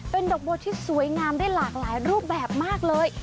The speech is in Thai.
เป็นดอกบัวที่สวยงามได้หลากหลายรูปแบบมากเลย